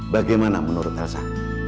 bagaimana menurut elsa